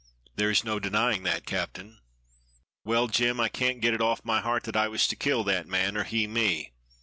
"There is no denying that, captain." "Well, Jem, I can't get it off my heart that I was to kill that man, or he me.